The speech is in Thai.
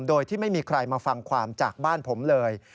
โดยที่ไม่มีใครมาฟังความจากบ้านผมเลย